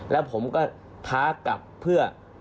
แล้วผมก็ท้ากลับเพื่อ